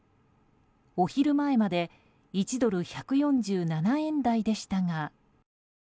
お昼前まで１ドル＝１４７円台でしたが。